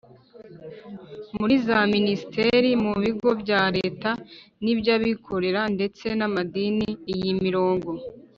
Muri za minisiteri mu bigo bya leta n iby abikorera ndetse n amadini iyi mirongo